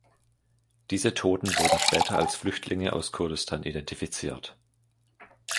Diese Toten wurden später als Flüchtlinge aus Kurdistan identifiziert.